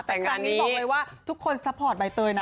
แต่ครั้งนี้บอกเลยว่าทุกคนซัพพอร์ตใบเตยนะ